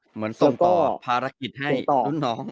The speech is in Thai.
เหมือนส่งต่อภารกิจให้น้อง